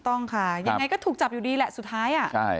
ต้องค่ะยังไงก็ถูกจับอยู่ดีแหละสุดท้าย